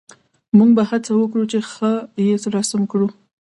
موږ به هڅه وکړو چې ښه یې رسم کړو